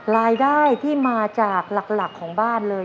รายได้ที่มาจากหลักของบ้านเลย